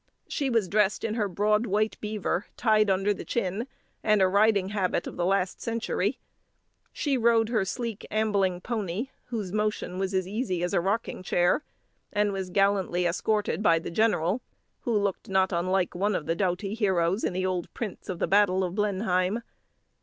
She was dressed in her broad white beaver, tied under the chin, and a riding habit of the last century. She rode her sleek, ambling pony, whose motion was as easy as a rocking chair; and was gallantly escorted by the general, who looked not unlike one of the doughty heroes in the old prints of the battle of Blenheim.